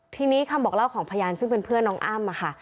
ทีนี้คำบอกเล่าของพยานซึ่งเป็นเพื่อนน้องอ้ำค่ะ